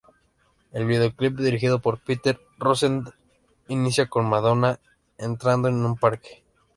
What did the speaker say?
El videoclip, dirigido por Peter Rosenthal, inicia con Madonna entrando en un parque.